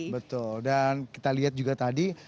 betul dan kita lihat juga tadi